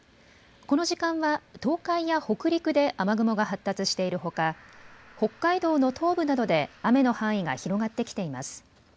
この時間は東海や北陸で雨雲が発達しているほか北海道の東部などで雨の範囲が広がってきています。